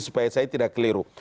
supaya saya tidak keliru